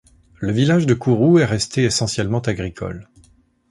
Le village de Courroux est resté essentiellement agricole.